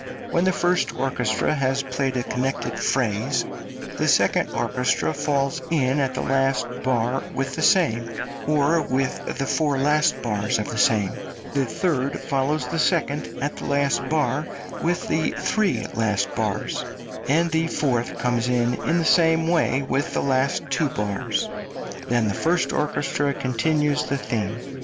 When the first orchestra has played a connected phrase the second orchestra falls in at the last bar with the same, or with the four last bars of the same, the third follows the second at the last bar with the three last bars, and the fourth comes in in the same way with the two last bars; then the first orchestra continues the theme.